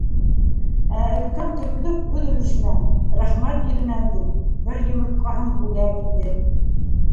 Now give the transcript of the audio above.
Ә өлкән көртлөк үҙ өлөшөнән, рәхмәт йөҙөнән тип, бер йомортҡаһын бүлә к итте.